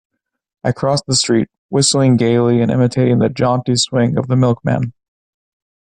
I crossed the street, whistling gaily and imitating the jaunty swing of the milkman.